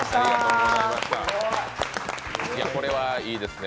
これはいいですね。